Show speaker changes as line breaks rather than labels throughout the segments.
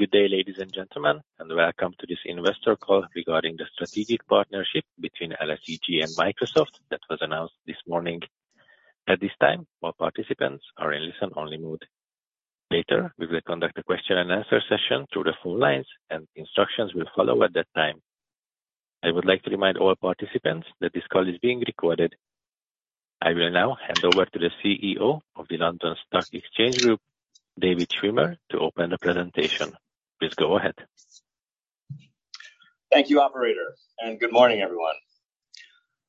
Good day, ladies and gentlemen. Welcome to this investor call regarding the strategic partnership between LSEG and Microsoft that was announced this morning. At this time, all participants are in listen-only mode. Later, we will conduct a question and answer session through the phone lines. Instructions will follow at that time. I would like to remind all participants that this call is being recorded. I will now hand over to the CEO of the London Stock Exchange Group, David Schwimmer, to open the presentation. Please go ahead.
Thank you, operator. Good morning, everyone.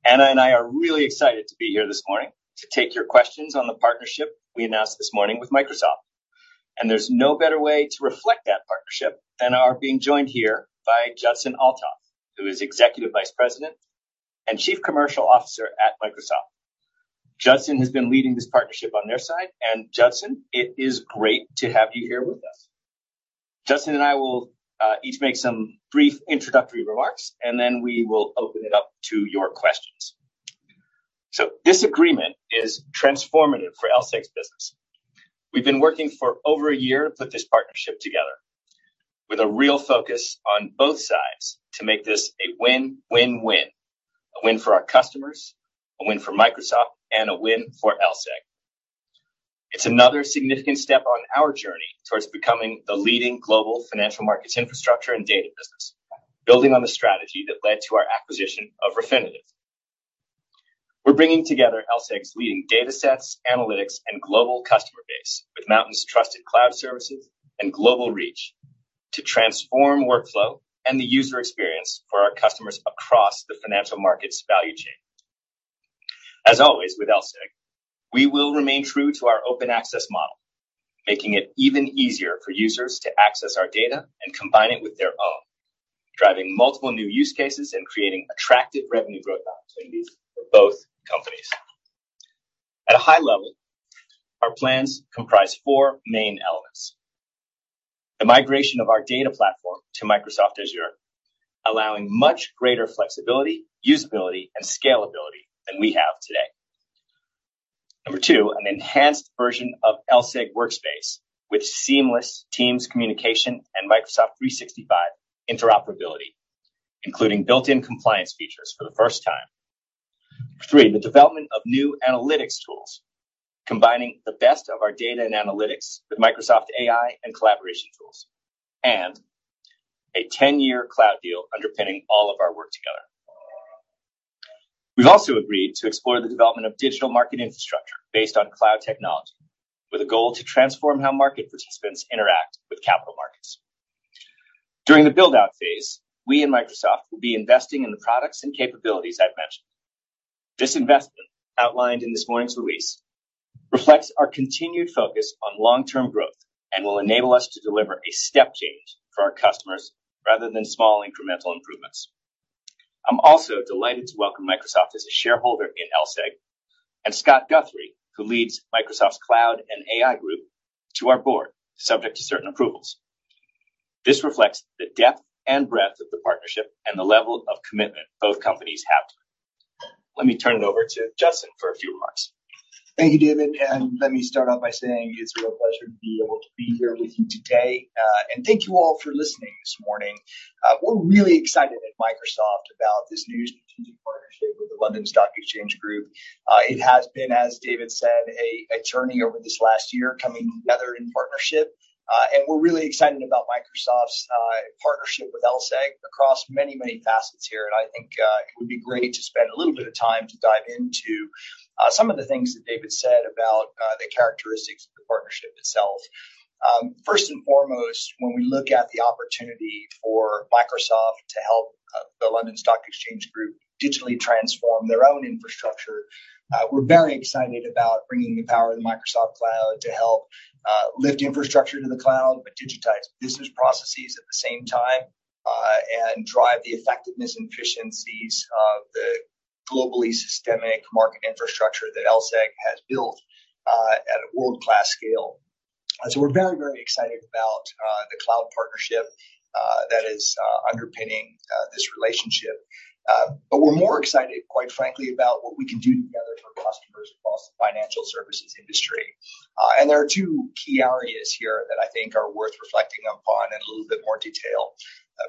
Anna and I are really excited to be here this morning to take your questions on the partnership we announced this morning with Microsoft. There's no better way to reflect that partnership than our being joined here by Judson Althoff, who is Executive Vice President and Chief Commercial Officer at Microsoft. Judson has been leading this partnership on their side, and Judson, it is great to have you here with us. Judson and I will each make some brief introductory remarks, and then we will open it up to your questions. This agreement is transformative for LSEG's business. We've been working for over a year to put this partnership together with a real focus on both sides to make this a win-win-win. A win for our customers, a win for Microsoft, and a win for LSEG. It's another significant step on our journey towards becoming the leading global financial markets infrastructure and data business, building on the strategy that led to our acquisition of Refinitiv. We're bringing together LSEG's leading datasets, analytics, and global customer base with Microsoft's trusted cloud services and global reach to transform workflow and the user experience for our customers across the financial markets value chain. As always, with LSEG, we will remain true to our open access model, making it even easier for users to access our data and combine it with their own, driving multiple new use cases and creating attractive revenue growth opportunities for both companies. At a high level, our plans comprise four main elements. The migration of our data platform to Microsoft Azure, allowing much greater flexibility, usability, and scalability than we have today. Number two, an enhanced version of LSEG Workspace with seamless Teams communication and Microsoft 365 interoperability, including built-in compliance features for the first time. Three, the development of new analytics tools, combining the best of our data and analytics with Microsoft AI and collaboration tools. A 10-year cloud deal underpinning all of our work together. We've also agreed to explore the development of digital market infrastructure based on cloud technology, with a goal to transform how market participants interact with capital markets. During the build-out phase, we and Microsoft will be investing in the products and capabilities I've mentioned. This investment, outlined in this morning's release, reflects our continued focus on long-term growth and will enable us to deliver a step change for our customers rather than small incremental improvements. I'm also delighted to welcome Microsoft as a shareholder in LSEG, and Scott Guthrie, who leads Microsoft's Cloud and AI group, to our board, subject to certain approvals. This reflects the depth and breadth of the partnership and the level of commitment both companies have. Let me turn it over to Judson for a few remarks.
Thank you, David. Let me start off by saying it's a real pleasure to be able to be here with you today. Thank you all for listening this morning. We're really excited at Microsoft about this new strategic partnership with the London Stock Exchange Group. It has been, as David said, a journey over this last year coming together in partnership. We're really excited about Microsoft's partnership with LSEG across many, many facets here. I think it would be great to spend a little bit of time to dive into some of the things that David said about the characteristics of the partnership itself. First and foremost, when we look at the opportunity for Microsoft to help the London Stock Exchange Group digitally transform their own infrastructure, we're very excited about bringing the power of the Microsoft Cloud to help lift infrastructure to the cloud, but digitize business processes at the same time, and drive the effectiveness and efficiencies of the globally systemic market infrastructure that LSEG has built at a world-class scale. So we're very, very excited about the cloud partnership that is underpinning this relationship. We're more excited, quite frankly, about what we can do together for customers across the financial services industry. There are two key areas here that I think are worth reflecting upon in a little bit more detail.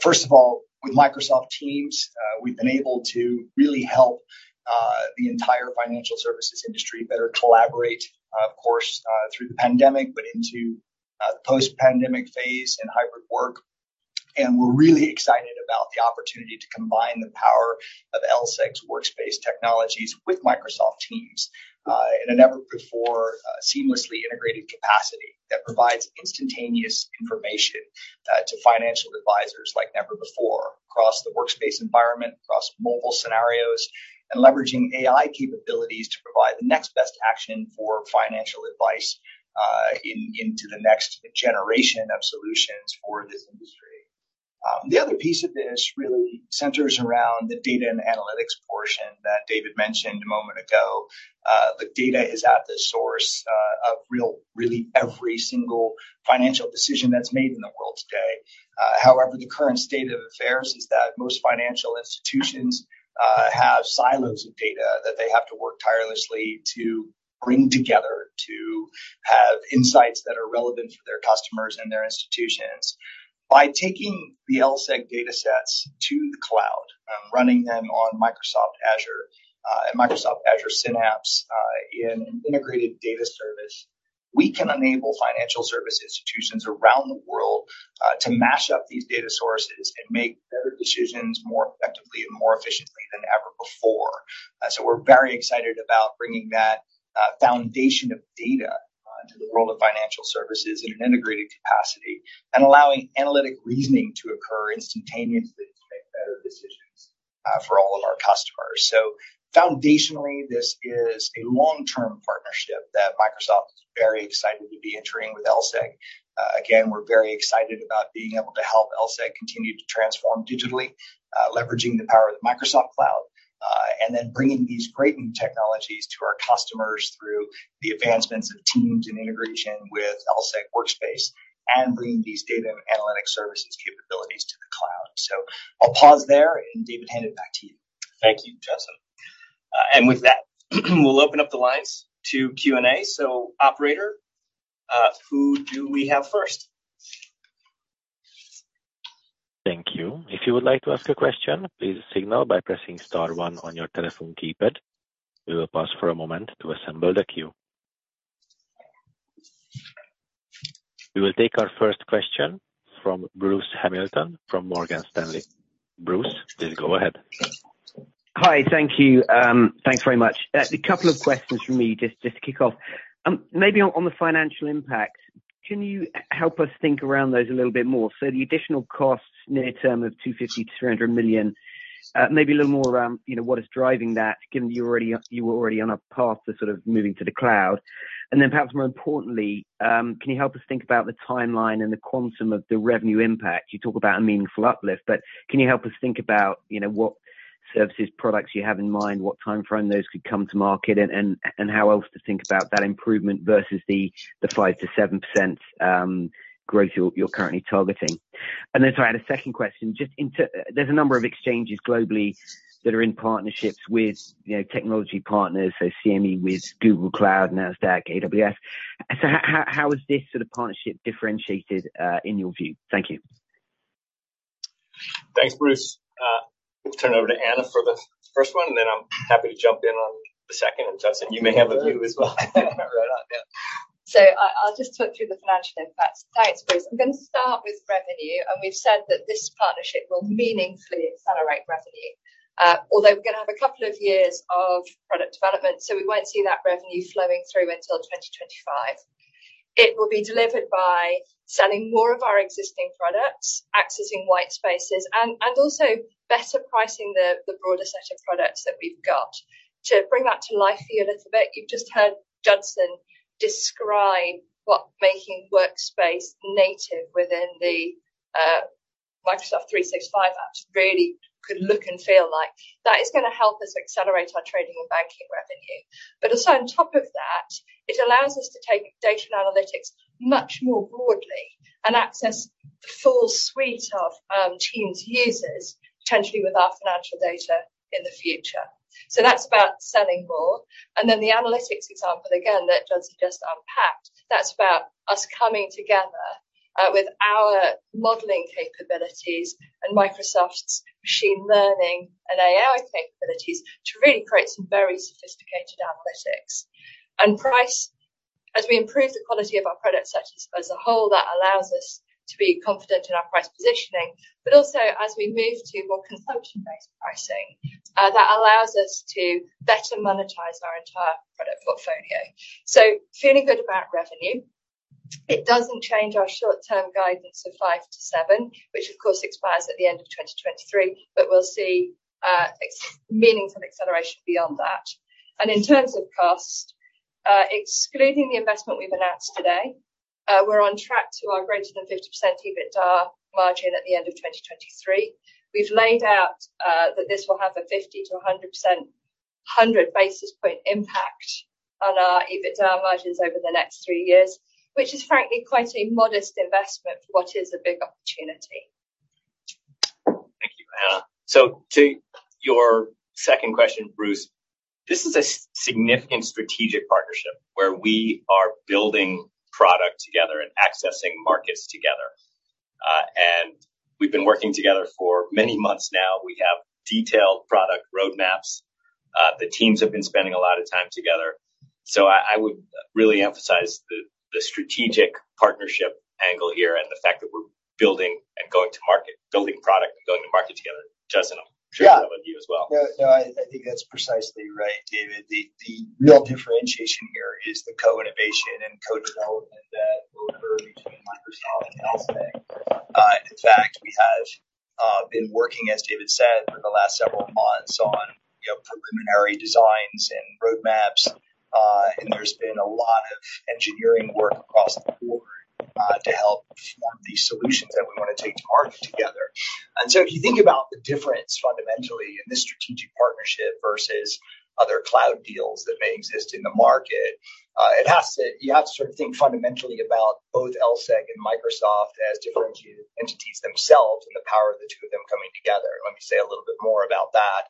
First of all, with Microsoft Teams, we've been able to really help the entire financial services industry better collaborate, of course, through the pandemic, but into the post-pandemic phase and hybrid work. We're really excited about the opportunity to combine the power of LSEG's workspace technologies with Microsoft Teams. In a never-before, seamlessly integrated capacity that provides instantaneous information to financial advisors like never before across the workspace environment, across mobile scenarios, and leveraging AI capabilities to provide the next best action for financial advice, into the next generation of solutions for this industry. The other piece of this really centers around the data and analytics portion that David mentioned a moment ago. The data is at the source, really every single financial decision that's made in the world today. However, the current state of affairs is that most financial institutions have silos of data that they have to work tirelessly to bring together to have insights that are relevant for their customers and their institutions. By taking the LSEG datasets to the cloud and running them on Microsoft Azure and Microsoft Azure Synapse in an integrated data service, we can enable financial service institutions around the world to mash up these data sources and make better decisions more effectively and more efficiently than ever before. We're very excited about bringing that foundation of data to the world of financial services in an integrated capacity and allowing analytic reasoning to occur instantaneously to make better decisions for all of our customers. Foundationally, this is a long-term partnership that Microsoft is very excited to be entering with LSEG. Again, we're very excited about being able to help LSEG continue to transform digitally, leveraging the power of the Microsoft cloud, and then bringing these great new technologies to our customers through the advancements of Teams and integration with LSEG Workspace, and bringing these data and analytics services capabilities to the cloud. I'll pause there, and David, hand it back to you.
Thank you, Judson. With that, we'll open up the lines to Q&A. Operator, who do we have first?
Thank you. If you would like to ask a question, please signal by pressing star one on your telephone keypad. We will pause for a moment to assemble the queue. We will take our first question from Bruce Hamilton from Morgan Stanley. Bruce, please go ahead.
Hi. Thank you. Thanks very much. A couple of questions from me just to kick off. Maybe on the financial impact, can you help us think around those a little bit more? The additional costs near term of 250 million-300 million, maybe a little more around, you know, what is driving that given you were already on a path to sort of moving to the cloud. Perhaps more importantly, can you help us think about the timeline and the quantum of the revenue impact? You talk about a meaningful uplift, can you help us think about, you know, what services, products you have in mind, what timeframe those could come to market, and how else to think about that improvement versus the 5%-7% growth you're currently targeting? Sorry, I had a second question. There's a number of exchanges globally that are in partnerships with, you know, technology partners, CME with Google Cloud, Nasdaq, AWS. How is this sort of partnership differentiated in your view? Thank you.
Thanks, Bruce. We'll turn it over to Anna for the first one, and then I'm happy to jump in on the second. Judson, you may have a view as well.
Right on. Yeah.
I'll just talk through the financial impacts. Thanks, Bruce. I'm gonna start with revenue. We've said that this partnership will meaningfully accelerate revenue, although we're gonna have a couple of years of product development, so we won't see that revenue flowing through until 2025. It will be delivered by selling more of our existing products, accessing white spaces and also better pricing the broader set of products that we've got. To bring that to life for you a little bit, you've just heard Judson describe what making Workspace native within the Microsoft 365 apps really could look and feel like. That is gonna help us accelerate our trading and banking revenue. Also on top of that, it allows us to take data and analytics much more broadly and access the full suite of Teams users potentially with our financial data in the future. That's about selling more. Then the analytics example again that Judson just unpacked, that's about us coming together with our modeling capabilities and Microsoft's machine learning and AI capabilities to really create some very sophisticated analytics. Price, as we improve the quality of our product sets as a whole, that allows us to be confident in our price positioning. Also as we move to more consumption-based pricing, that allows us to better monetize our entire product portfolio. Feeling good about revenue. It doesn't change our short-term guidance of 5-7, which of course expires at the end of 2023, but we'll see meaningful acceleration beyond that. In terms of cost, excluding the investment we've announced today, we're on track to our greater than 50% EBITDA margin at the end of 2023. We've laid out that this will have a 50%-100%, 100 basis point impact on our EBITDA margins over the next three years, which is frankly quite a modest investment for what is a big opportunity.
Thank you, Anna. To your second question, Bruce, this is a significant strategic partnership where we are building product together and accessing markets together. And we've been working together for many months now. We have detailed product roadmaps. The teams have been spending a lot of time together. I would really emphasize the strategic partnership angle here and the fact that we're building and going to market, building product and going to market together. Judson, I'm sure you'd agree with me as well.
Yeah. No, I think that's precisely right, David. The real differentiation here is the co-innovation and co-development that will occur between Microsoft and LSEG. In fact, we have been working, as David said, for the last several months on, you know, preliminary designs and roadmaps, and there's been a lot of engineering work across the board, to help form these solutions that we wanna take to market together. If you think about the difference fundamentally in this strategic partnership versus other cloud deals that may exist in the market, You have to sort of think fundamentally about both LSEG and Microsoft as differentiated entities themselves and the power of the two of them coming together. Let me say a little bit more about that.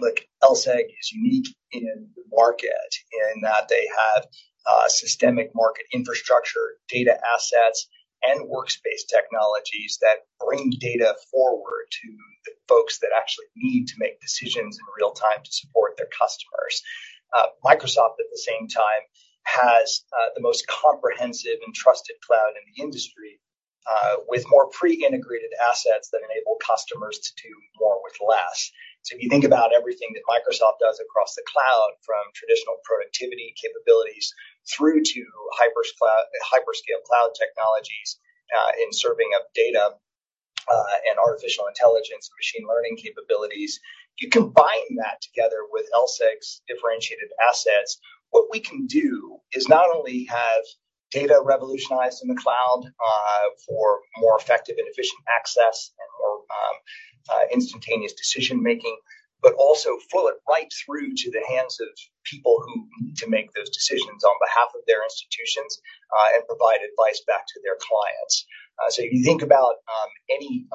Look, LSEG is unique in the market in that they have systemic market infrastructure, data assets, and workspace technologies that bring data forward to the folks that actually need to make decisions in real time to support their customers. Microsoft, at the same time, has the most comprehensive and trusted cloud in the industry, with more pre-integrated assets that enable customers to do more with less. If you think about everything that Microsoft does across the cloud, from traditional productivity capabilities through to hyperscale cloud technologies, in serving up data, and artificial intelligence and machine learning capabilities, you combine that together with LSEG's differentiated assets, what we can do is not only have data revolutionized in the cloud. For more effective and efficient access and more instantaneous decision-making, but also pull it right through to the hands of people who need to make those decisions on behalf of their institutions, and provide advice back to their clients. If you think about any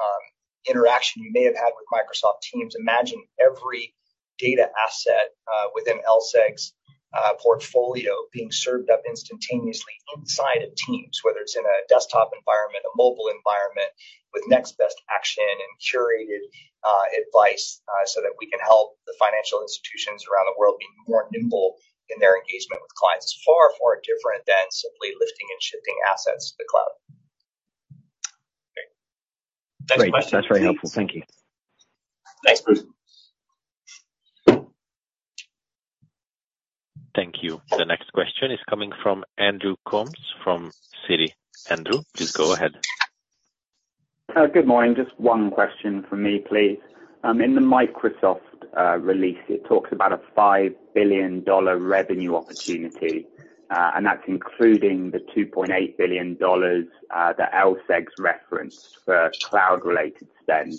interaction you may have had with Microsoft Teams, imagine every data asset within LSEG's portfolio being served up instantaneously inside of Teams.
Whether it's in a desktop environment, a mobile environment, with next best action and curated advice so that we can help the financial institutions around the world be more nimble in their engagement with clients. Far, far different than simply lifting and shifting assets to the cloud. Great. Next question, please. That's very helpful. Thank you. Thanks, Bruce.
Thank you. The next question is coming from Andrew Coombs from Citi. Andrew, please go ahead.
Good morning. Just one question from me, please. In the Microsoft release, it talks about a $5 billion revenue opportunity, and that's including the $2.8 billion that LSEG's referenced for cloud-related spend.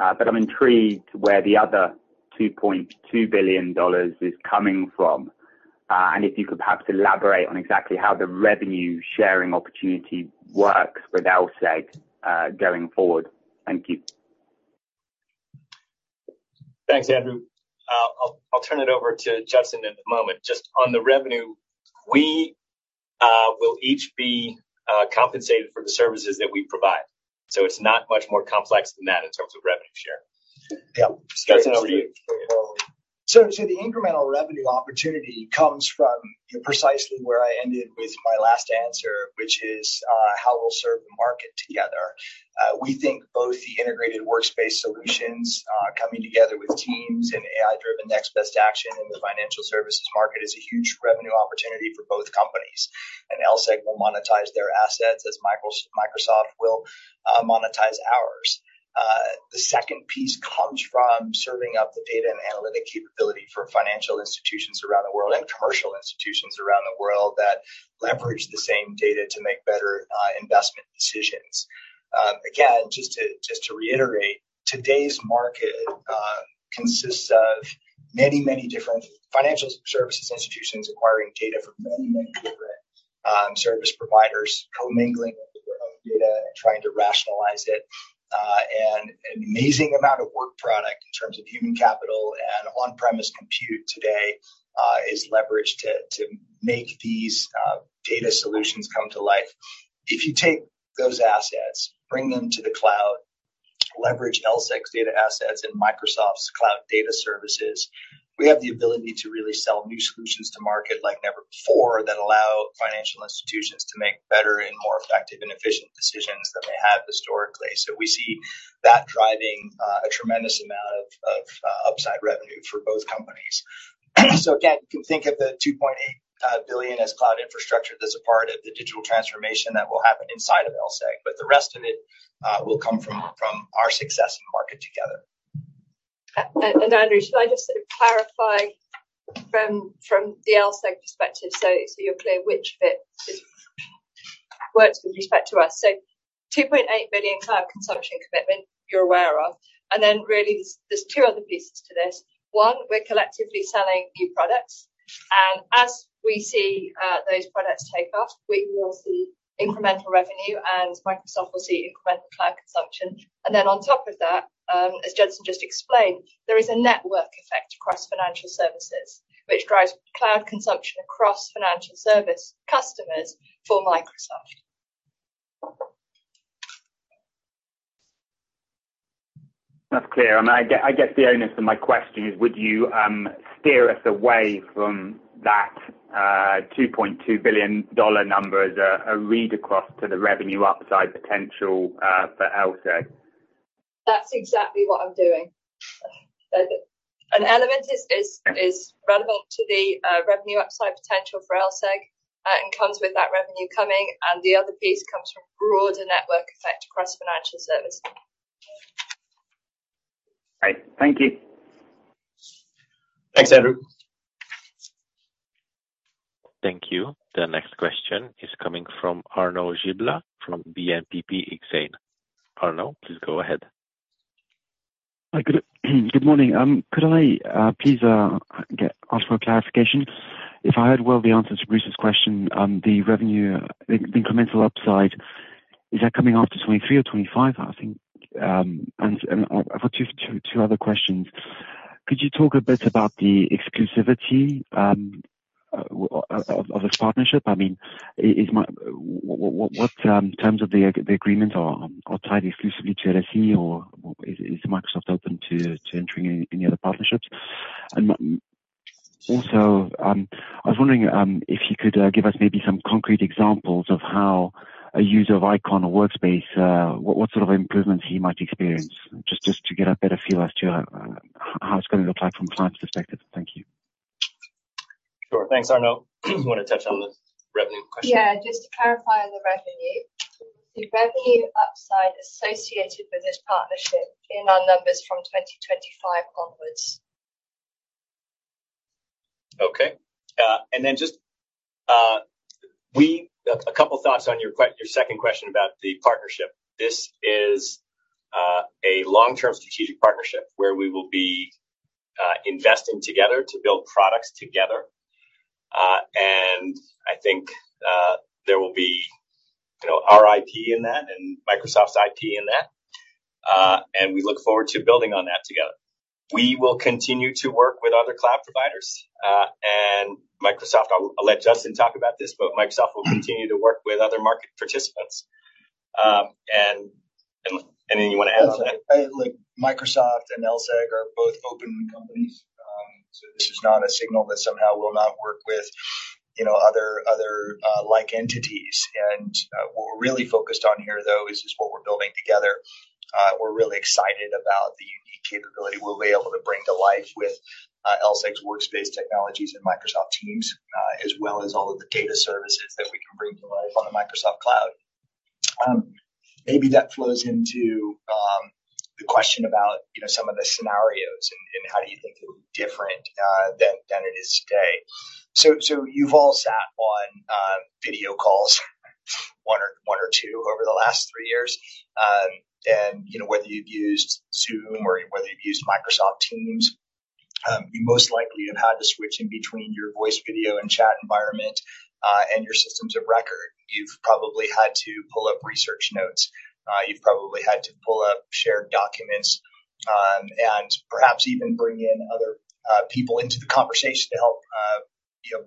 I'm intrigued where the other $2.2 billion is coming from, and if you could perhaps elaborate on exactly how the revenue sharing opportunity works with LSEG going forward. Thank you.
Thanks, Andrew. I'll turn it over to Judson in a moment. Just on the revenue, we will each be compensated for the services that we provide. It's not much more complex than that in terms of revenue share. Yeah. Judson, over to you. The incremental revenue opportunity comes from precisely where I ended with my last answer, which is how we'll serve the market together.
We think both the integrated workspace solutions coming together with Teams and AI-driven next best action in the financial services market is a huge revenue opportunity for both companies. LSEG will monetize their assets as Microsoft will monetize ours. The second piece comes from serving up the data and analytic capability for financial institutions around the world and commercial institutions around the world that leverage the same data to make better investment decisions. Again, just to reiterate, today's market consists of many different financial services institutions acquiring data from many different service providers, co-mingling with their own data and trying to rationalize it. And an amazing amount of work product in terms of human capital and on-premise compute today is leveraged to make these data solutions come to life. If you take those assets, bring them to the cloud, leverage LSEG's data assets and Microsoft's cloud data services, we have the ability to really sell new solutions to market like never before that allow financial institutions to make better and more effective and efficient decisions than they have historically. We see that driving a tremendous amount of upside revenue for both companies. Again, you can think of the $2.8 billion as cloud infrastructure that's a part of the digital transformation that will happen inside of LSEG. The rest of it will come from our success in market together.
Andrew, should I just sort of clarify from the LSEG perspective so you're clear which bit works with respect to us. $2.8 billion cloud consumption commitment, you're aware of. Really there's two other pieces to this. One, we're collectively selling new products. As we see those products take up, we will see incremental revenue and Microsoft will see incremental cloud consumption. On top of that, as Judson just explained, there is a network effect across financial services, which drives cloud consumption across financial service customers for Microsoft.
That's clear. I guess the onus of my question is would you steer us away from that $2.2 billion number as a read across to the revenue upside potential for LSEG?
That's exactly what I'm doing. An element is relevant to the revenue upside potential for LSEG, and comes with that revenue coming, and the other piece comes from broader network effect across financial services.
Right. Thank you.
Thanks, Andrew.
Thank you. The next question is coming from Arnaud Giblat from BNPP Exane. Arnaud, please go ahead.
Hi. Good morning. Could I please ask for a clarification? If I heard well the answer to Bruce Hamilton's question, the incremental upside is that coming after 2023 or 2025, I think? I've got two other questions. Could you talk a bit about the exclusivity of this partnership? I mean, what terms of the agreement are tied exclusively to LSE or is Microsoft open to entering any other partnerships? Also, I was wondering if you could give us maybe some concrete examples of how a user of Eikon or Workspace, what sort of improvements he might experience, just to get a better feel as to how it's gonna look like from a client's perspective. Thank you.
Sure. Thanks, Arnaud. You wanna touch on the revenue question?
Yeah. Just to clarify on the revenue. The revenue upside associated with this partnership in our numbers from 2025 onwards.
Okay. Just, A couple thoughts on your second question about the partnership. This is a long-term strategic partnership where we will be investing together to build products together. I think, there will be, you know, our IP in that and Microsoft's IP in that. We look forward to building on that together. We will continue to work with other cloud providers, and Microsoft... I'll let Justin talk about this, but Microsoft will continue to work with other market participants. Anything you wanna add to that?
Like, Microsoft and LSEG are both open companies. This is not a signal that somehow we'll not work with, you know, other, like entities. What we're really focused on here, though, is just what we're building together. We're really excited about the unique capability we'll be able to bring to life with LSEG's Workspace technologies and Microsoft Teams, as well as all of the data services that we can bring to life on the Microsoft cloud. Maybe that flows into the question about, you know, some of the scenarios and how do you think they're different than it is today. so you've all sat on video calls one or two over the last three years. You know, whether you've used Zoom or whether you've used Microsoft Teams, you most likely have had to switch in between your voice video and chat environment and your systems of record. You've probably had to pull up research notes. You've probably had to pull up shared documents, and perhaps even bring in other people into the conversation to help, you know,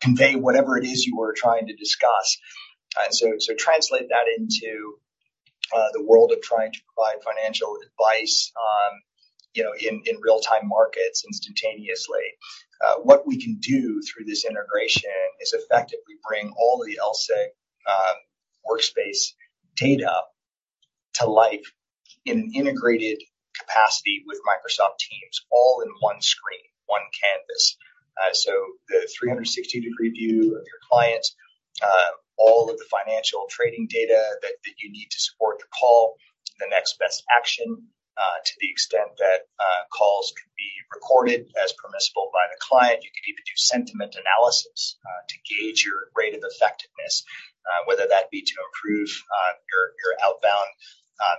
convey whatever it is you were trying to discuss. Translate that into the world of trying to provide financial advice, you know, in real-time markets instantaneously. What we can do through this integration is effectively bring all of the LSEG Workspace data to life in an integrated capacity with Microsoft Teams all in one screen, one canvas. The 360 degree view of your clients, all of the financial trading data that you need to support the call, the next best action, to the extent that calls can be recorded as permissible by the client. You can even do sentiment analysis to gauge your rate of effectiveness, whether that be to improve your outbound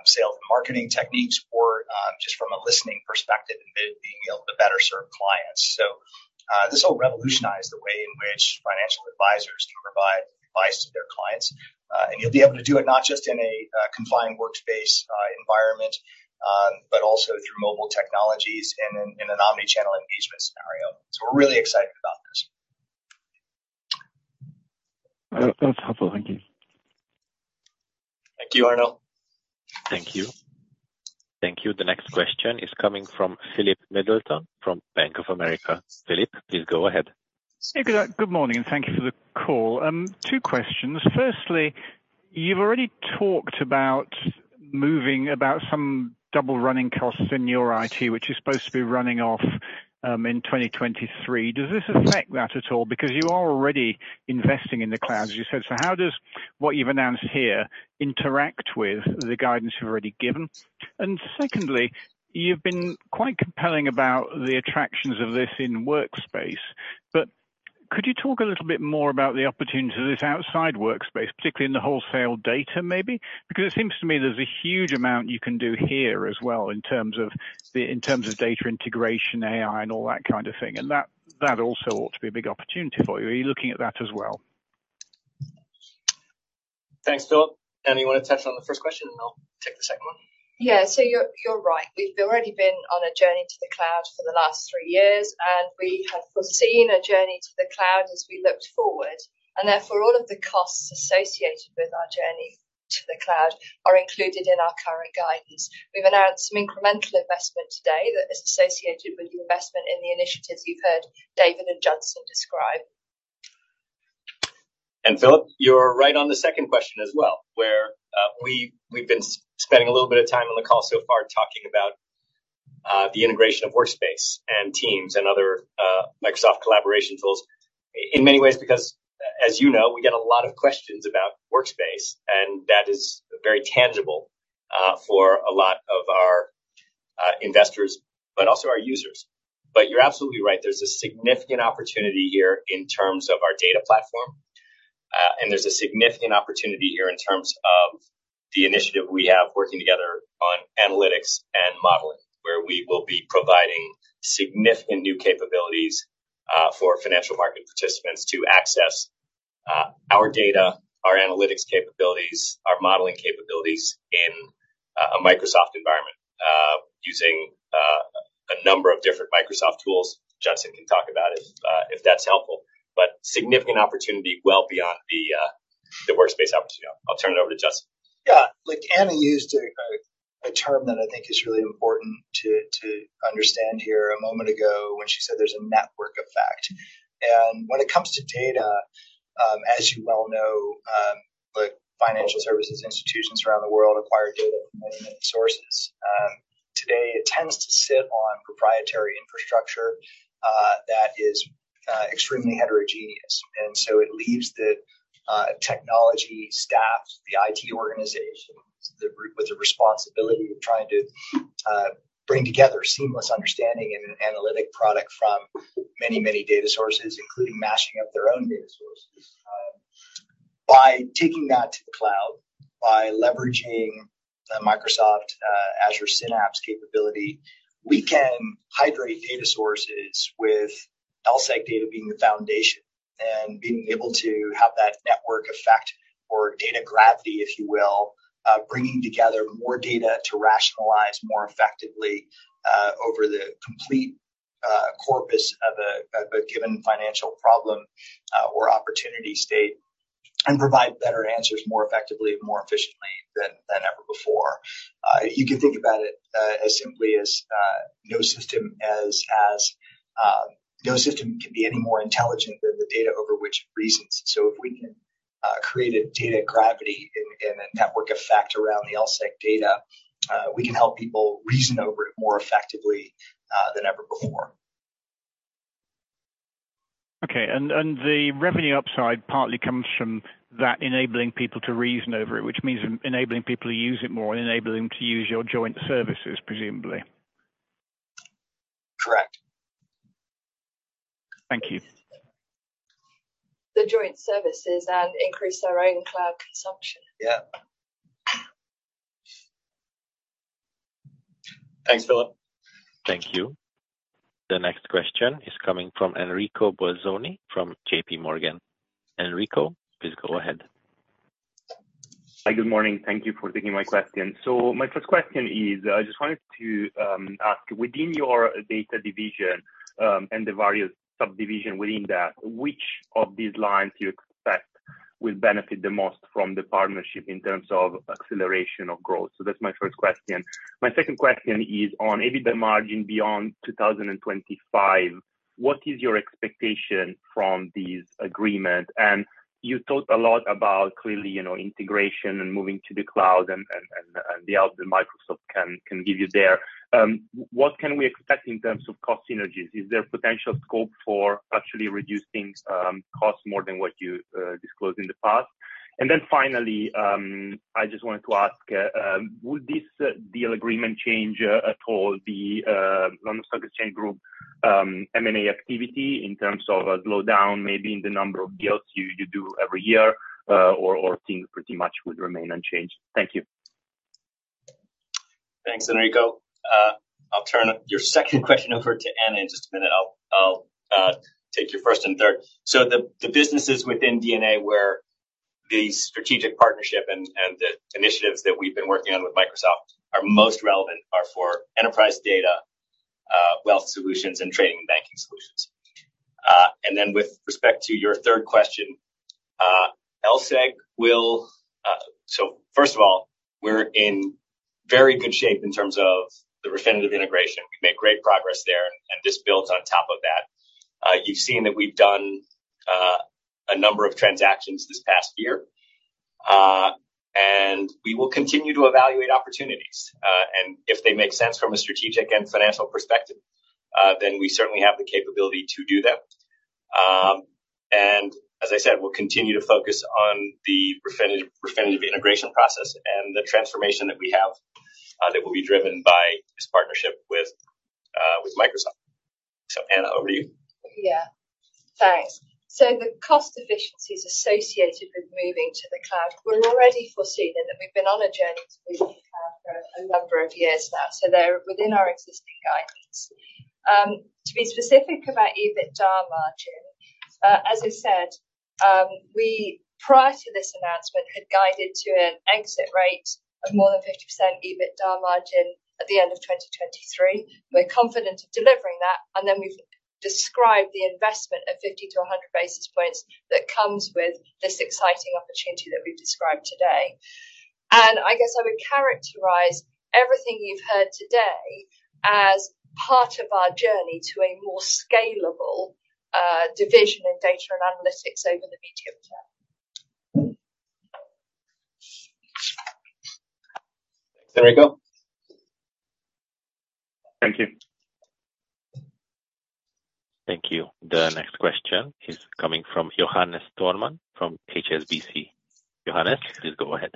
sales and marketing techniques or just from a listening perspective and being able to better serve clients. This will revolutionize the way in which financial advisors can provide advice to their clients. You'll be able to do it not just in a confined workspace environment, but also through mobile technologies and in an omni-channel engagement scenario. We're really excited about this.
That's helpful. Thank you.
Thank you, Arnaud.
Thank you.
Thank you. The next question is coming from Philip Middleton from Bank of America. Philip, please go ahead.
Good morning, thank you for the call. Two questions. Firstly, you've already talked about moving about some double running costs in your IT, which is supposed to be running off in 2023. Does this affect that at all? You are already investing in the cloud, as you said. How does what you've announced here interact with the guidance you've already given? Secondly, you've been quite compelling about the attractions of this in Workspace, but could you talk a little bit more about the opportunity to this outside Workspace, particularly in the wholesale data maybe? It seems to me there's a huge amount you can do here as well in terms of data integration, AI, and all that kind of thing. That also ought to be a big opportunity for you. Are you looking at that as well?
Thanks, Philip. Annie, you wanna touch on the first question, and I'll take the second one?
You're right. We've already been on a journey to the cloud for the last three years. We have foreseen a journey to the cloud as we looked forward. Therefore, all of the costs associated with our journey to the cloud are included in our current guidance. We've announced some incremental investment today that is associated with the investment in the initiatives you've heard David and Justin describe.
Philip, you're right on the second question as well, where we've been spending a little bit of time on the call so far talking about the integration of Workspace and Teams and other Microsoft collaboration tools, in many ways because, as you know, we get a lot of questions about Workspace, and that is very tangible for a lot of our investors, but also our users. You're absolutely right. There's a significant opportunity here in terms of our data platform, and there's a significant opportunity here in terms of the initiative we have working together on analytics and modeling. We will be providing significant new capabilities for financial market participants to access our data, our analytics capabilities, our modeling capabilities in a Microsoft environment, using a number of different Microsoft tools. Justin can talk about it, if that's helpful. Significant opportunity well beyond the Workspace opportunity. I'll turn it over to Justin.
Yeah. Like Anna used a term that I think is really important to understand here a moment ago when she said there's a network effect. When it comes to data, as you well know, the financial services institutions around the world acquire data from many, many sources. Today, it tends to sit on proprietary infrastructure that is extremely heterogeneous. It leaves the technology staff, the IT organization, the group with the responsibility of trying to bring together seamless understanding and an analytic product from many, many data sources, including mashing up their own data sources. By taking that to the cloud, by leveraging the Microsoft Azure Synapse capability, we can hydrate data sources with LSEG data being the foundation and being able to have that network effect or data gravity, if you will, bringing together more data to rationalize more effectively over the complete corpus of a given financial problem or opportunity state, and provide better answers more effectively and more efficiently than ever before. You can think about it as simply as no system can be any more intelligent than the data over which reasons. If we can create a data gravity and a network effect around the LSEG data, we can help people reason over it more effectively than ever before.
Okay. The revenue upside partly comes from that enabling people to reason over it, which means enabling people to use it more and enabling them to use your joint services, presumably?
Correct.
Thank you.
The joint services and increase our own cloud consumption.
Yeah.
Thanks, Philip.
Thank you. The next question is coming from Enrico Bolzoni from J.P. Morgan. Enrico, please go ahead.
Hi. Good morning. Thank you for taking my question. My first question is, I just wanted to ask within your data division and the various subdivision within that, which of these lines you expect will benefit the most from the partnership in terms of acceleration of growth? That's my first question. My second question is on EBITDA margin beyond 2025, what is your expectation from this agreement? You talked a lot about clearly, you know, integration and moving to the cloud and the help that Microsoft can give you there. What can we expect in terms of cost synergies? Is there potential scope for actually reducing costs more than what you disclosed in the past? Finally, I just wanted to ask, would this deal agreement change at all the London Stock Exchange Group M&A activity in terms of a slowdown maybe in the number of deals you do every year, or things pretty much would remain unchanged? Thank you.
Thanks, Enrico. I'll turn your second question over to Anna in just a minute. I'll take your first and third. The, the businesses within D&A where the strategic partnership and the initiatives that we've been working on with Microsoft are most relevant are for Enterprise Data, Wealth Solutions, and Trading & Banking Solutions. And then with respect to your third question, LSEG will First of all, we're in very good shape in terms of the Refinitiv integration. We've made great progress there, and this builds on top of that. You've seen that we've done a number of transactions this past year, and we will continue to evaluate opportunities. And if they make sense from a strategic and financial perspective, then we certainly have the capability to do them. As I said, we'll continue to focus on the Refinitiv integration process and the transformation that we have, that will be driven by this partnership with Microsoft. Anna, over to you.
Yeah. Thanks. The cost efficiencies associated with moving to the cloud, we're already foreseeing them, and we've been on a journey to move to the cloud for a number of years now. They're within our existing guidance. To be specific about EBITDA margin, as I said, we, prior to this announcement, had guided to an exit rate of more than 50% EBITDA margin at the end of 2023. We're confident of delivering that, and then we've described the investment of 50 to 100 basis points that comes with this exciting opportunity that we've described today. I guess I would characterize everything you've heard today as part of our journey to a more scalable division in Data & Analytics over the medium term.
Enrico?
Thank you.
Thank you. The next question is coming from Johannes Thormann from HSBC. Johannes, please go ahead.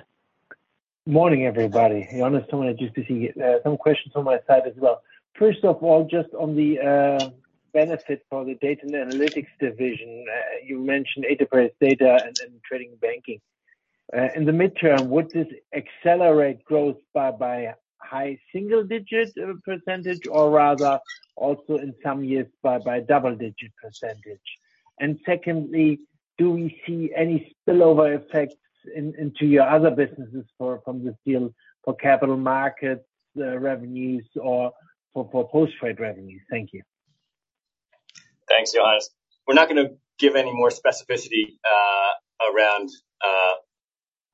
Morning, everybody. Johannes Thormann, HSBC. Some questions on my side as well. First of all, just on the benefit for the Data & Analytics division, you mentioned Enterprise Data and then Trading banking. In the midterm, would this accelerate growth by high single-digit percentage or rather also in some years by double-digit percentage? Secondly, do we see any spillover effects into your other businesses from this deal for capital markets revenues or for post-trade revenues? Thank you.
Thanks, Johannes. We're not gonna give any more specificity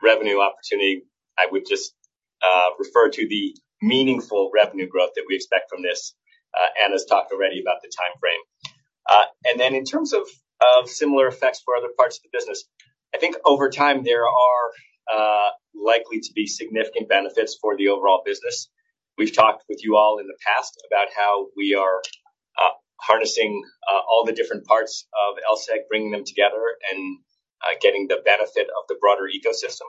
around revenue opportunity. I would just refer to the meaningful revenue growth that we expect from this. Anna's talked already about the timeframe. Then in terms of similar effects for other parts of the business, I think over time there are likely to be significant benefits for the overall business. We've talked with you all in the past about how we are harnessing all the different parts of LSEG, bringing them together and getting the benefit of the broader ecosystem.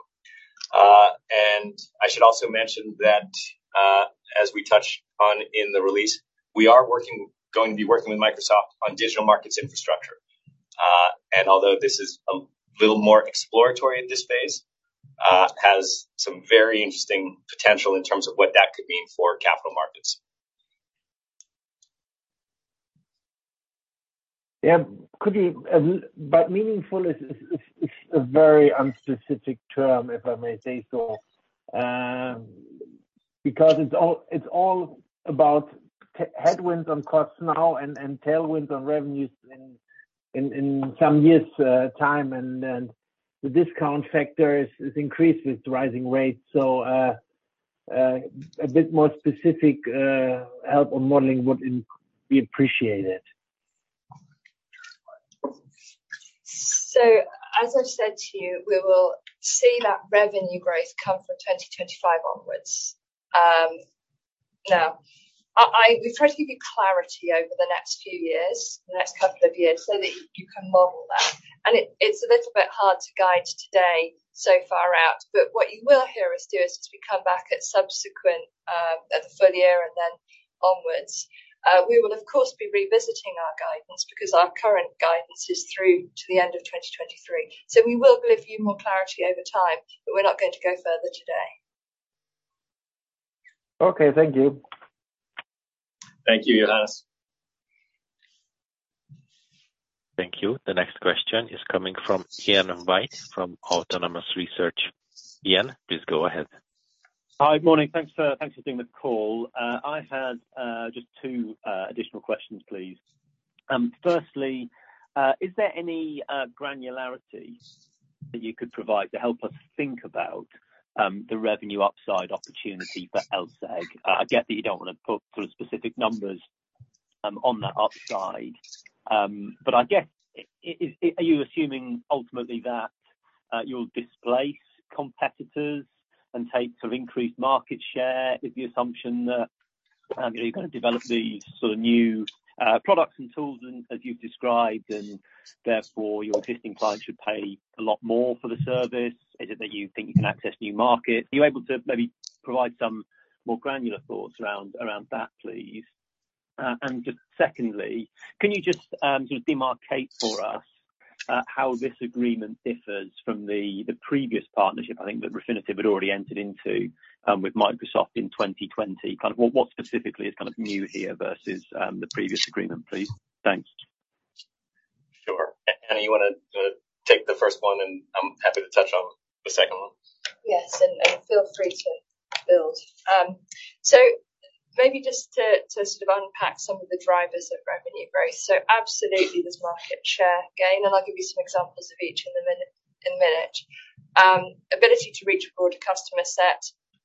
I should also mention that, as we touch on in the release, we are going to be working with Microsoft on digital market infrastructure. Although this is a little more exploratory at this phase, has some very interesting potential in terms of what that could mean for capital markets.
Yeah. Could you, meaningful is a very unspecific term, if I may say so, because it's all about headwinds on costs now and tailwinds on revenues in some years time. The discount factor is increased with rising rates. A bit more specific help on modeling would be appreciated.
As I've said to you, we will see that revenue growth come from 2025 onwards. Now, we first give you clarity over the next few years, the next 2 years, so that you can model that. It, it's a little bit hard to guide today so far out, but what you will hear us do is once we come back at subsequent, at the full year and then onwards, we will of course be revisiting our guidance because our current guidance is through to the end of 2023. We will give you more clarity over time, but we're not going to go further today.
Okay. Thank you.
Thank you, Johannes.
Thank you. The next question is coming from Ian White from Autonomous Research. Ian, please go ahead.
Hi. Good morning. Thanks for doing the call. I had just two additional questions, please. firstly, is there any granularity that you could provide to help us think about the revenue upside opportunity for LSEG? I get that you don't wanna put sort of specific numbers on that upside. I guess, are you assuming ultimately that you'll displace competitors and take sort of increased market share? Is the assumption that you're gonna develop these sort of new products and tools and as you've described, and therefore your existing clients should pay a lot more for the service? Is it that you think you can access new markets? Are you able to maybe provide some more granular thoughts around that, please? Just secondly, can you just sort of demarcate for us how this agreement differs from the previous partnership, I think that Refinitiv had already entered into with Microsoft in 2020? Kind of what specifically is kind of new here versus the previous agreement, please? Thanks.
Sure. Anna, you wanna take the first one, and I'm happy to touch on the second one.
Yes. Feel free to build. Maybe just to sort of unpack some of the drivers of revenue growth. Absolutely there's market share gain, and I'll give you some examples of each in a minute. Ability to reach a broader customer set.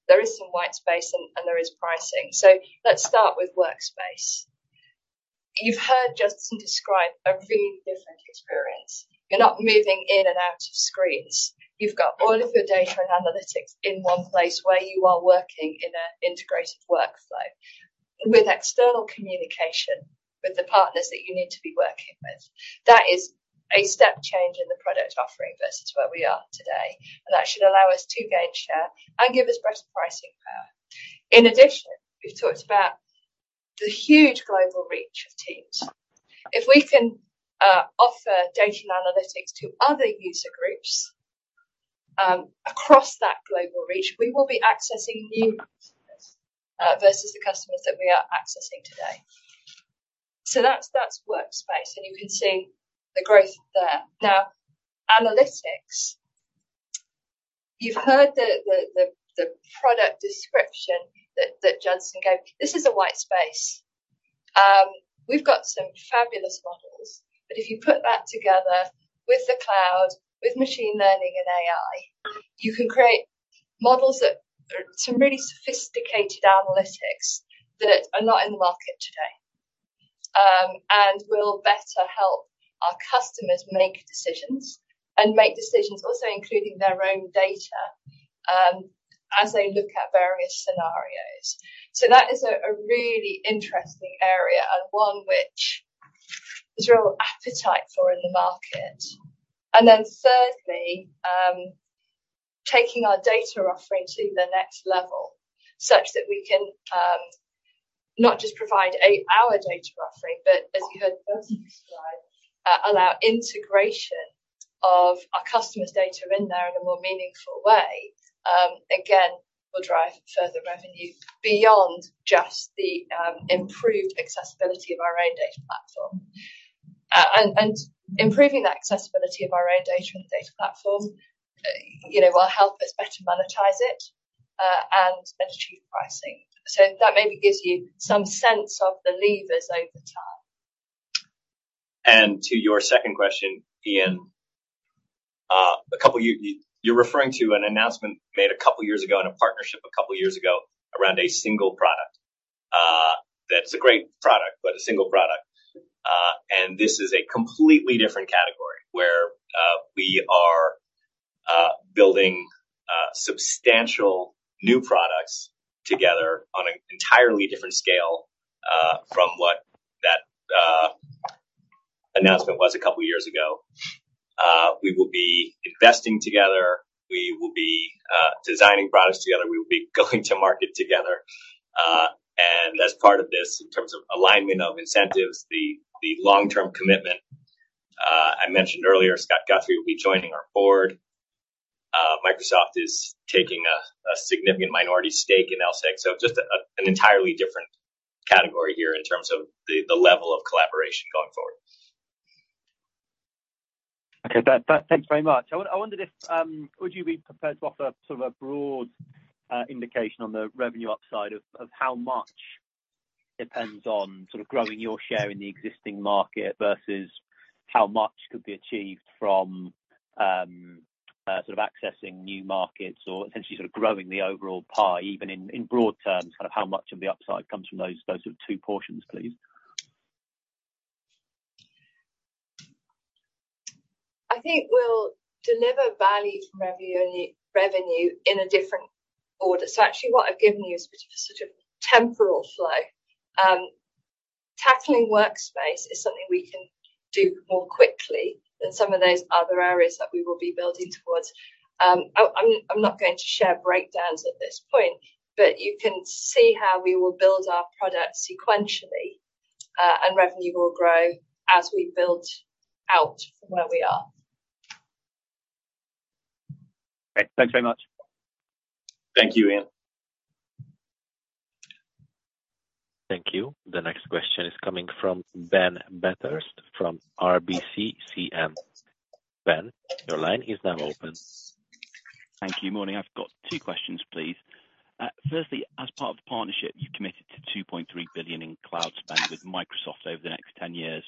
There is some white space and there is pricing. Let's start with Workspace. You've heard Justin describe a really different experience. You're not moving in and out of screens. You've got all of your data and analytics in one place where you are working in an integrated workflow with external communication with the partners that you need to be working with. That is a step change in the product offering versus where we are today. That should allow us to gain share and give us better pricing power. In addition, we've talked about the huge global reach of Microsoft Teams. If we can offer data and analytics to other user groups across that global reach, we will be accessing new customers versus the customers that we are accessing today. That's LSEG Workspace, and you can see the growth there. Analytics. You've heard the product description that Justin gave. This is a white space. We've got some fabulous models, but if you put that together with the cloud, with machine learning and AI, you can create models that are some really sophisticated analytics that are not in the market today. Will better help our customers make decisions and make decisions also including their own data as they look at various scenarios. That is a really interesting area and one which there's real appetite for in the market. Thirdly, taking our data offering to the next level such that we can provide our data offering, but as you heard Judson describe, allow integration of our customer's data in there in a more meaningful way, again, will drive further revenue beyond just the improved accessibility of our own data platform. Improving the accessibility of our own data and data platform, you know, will help us better monetize it and better achieve pricing. That maybe gives you some sense of the levers over time.
To your second question, Ian. A couple you're referring to an announcement made a couple years ago, and a partnership a couple years ago around a single product. That is a great product, but a single product. This is a completely different category where we are building substantial new products together on an entirely different scale from what that announcement was a couple years ago. We will be investing together. We will be designing products together. We will be going to market together. As part of this, in terms of alignment of incentives, the long-term commitment I mentioned earlier, Scott Guthrie will be joining our board. Microsoft is taking a significant minority stake in LSEG, just an entirely different category here in terms of the level of collaboration going forward.
Thanks very much. I wondered if would you be prepared to offer sort of a broad indication on the revenue upside of how much depends on sort of growing your share in the existing market versus how much could be achieved from sort of accessing new markets or essentially sort of growing the overall pie, even in broad terms, kind of how much of the upside comes from those sort of two portions, please?
I think we'll deliver value from revenue in a different order. Actually what I've given you is sort of temporal flow. Tackling Workspace is something we can do more quickly than some of those other areas that we will be building towards. I'm not going to share breakdowns at this point, but you can see how we will build our product sequentially, and revenue will grow as we build out from where we are.
Okay, thanks very much.
Thank you, Ian.
Thank you. The next question is coming from Ben Bathurst from RBC CM. Ben, your line is now open.
Thank you. Morning. I've got two questions, please. Firstly, as part of the partnership, you've committed to $2.3 billion in cloud spend with Microsoft over the next 10 years.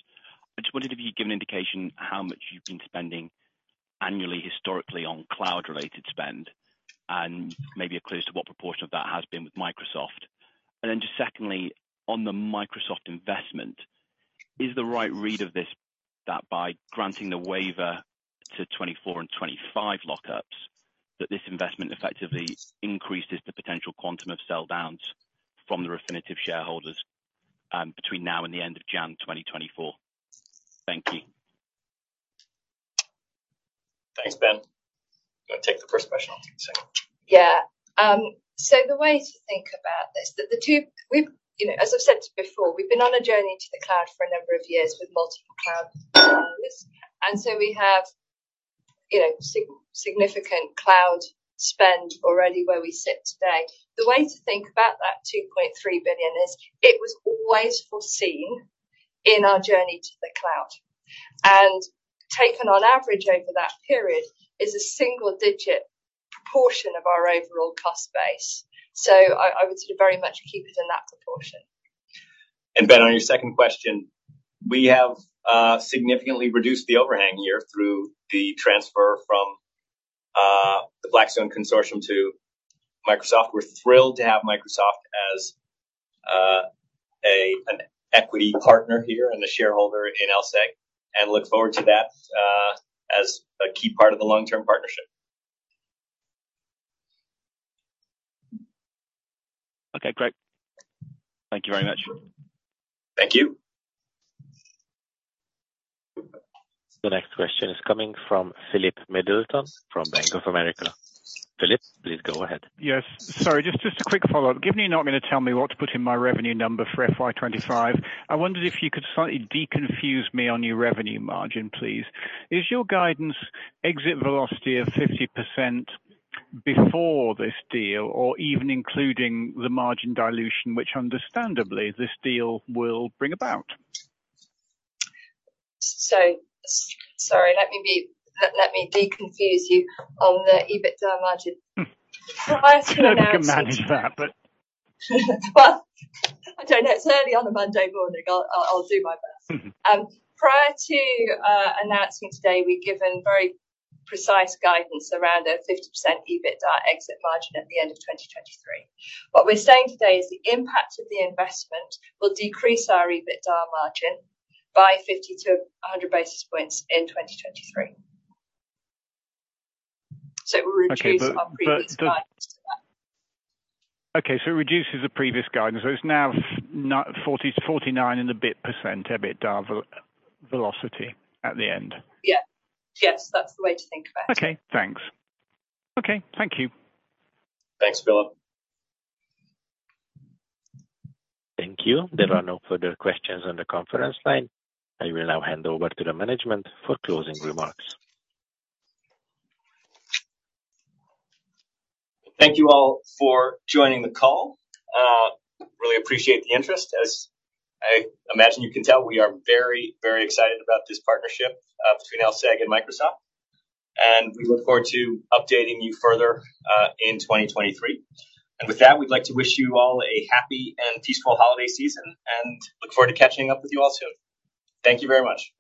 I just wondered if you'd give an indication how much you've been spending annually, historically, on cloud-related spend, and maybe a clue as to what proportion of that has been with Microsoft. Just secondly, on the Microsoft investment, is the right read of this that by granting the waiver to 2024 and 2025 lockups, that this investment effectively increases the potential quantum of sell downs from the Refinitiv shareholders, between now and the end of January 2024? Thank you.
Thanks, Ben. Do you wanna take the first question? I'll take the second one.
The way to think about this, you know, as I've said before, we've been on a journey to the cloud for a number of years with multiple cloud providers. We have, you know, significant cloud spend already where we sit today. The way to think about that 2.3 billion is, it was always foreseen in our journey to the cloud. Taken on average over that period is a single-digit proportion of our overall cost base. I would sort of very much keep it in that proportion.
Ben, on your second question, we have significantly reduced the overhang here through the transfer from the Blackstone consortium to Microsoft. We're thrilled to have Microsoft as a an equity partner here and a shareholder in LSEG, and look forward to that as a key part of the long-term partnership.
Okay, great. Thank you very much.
Thank you.
The next question is coming from Philip Middleton from Bank of America. Philip, please go ahead.
Yes. Sorry, just a quick follow-up. Given you're not gonna tell me what to put in my revenue number for FY 25, I wondered if you could slightly deconfuse me on your revenue margin, please. Is your guidance exit velocity of 50% before this deal or even including the margin dilution, which understandably this deal will bring about?
Sorry, let me deconfuse you on the EBITDA margin.
I can manage that.
Well, I don't know. It's early on a Monday morning. I'll do my best.
Mm-hmm.
Prior to announcing today, we've given very precise guidance around a 50% EBITDA exit margin at the end of 2023. What we're saying today is the impact of the investment will decrease our EBITDA margin by 50 to 100 basis points in 2023. It will.
Okay.
Our previous guidance to that.
It reduces the previous guidance. It's now 49 in the bit % EBITDA velocity at the end.
Yeah. Yes, that's the way to think about it.
Okay, thanks. Okay, thank you.
Thanks, Philip.
Thank you. There are no further questions on the conference line. I will now hand over to the management for closing remarks.
Thank you all for joining the call. Really appreciate the interest. As I imagine you can tell, we are very, very excited about this partnership between LSEG and Microsoft, and we look forward to updating you further in 2023. With that, we'd like to wish you all a happy and peaceful holiday season and look forward to catching up with you all soon. Thank you very much.